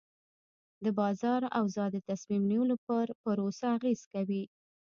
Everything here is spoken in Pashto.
د بازار اوضاع د تصمیم نیولو پر پروسه اغېز کوي.